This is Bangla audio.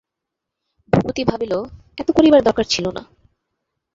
ভূপতি ভাবিল, এত করিবার দরকার ছিল না।